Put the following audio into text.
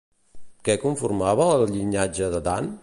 Què conformava el llinatge de Dan?